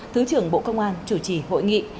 thứ trưởng bộ công an chủ trì hội nghị